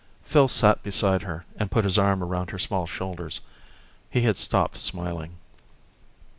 Phil sat beside her and put his arm around her small shoulders. He had stopped smiling.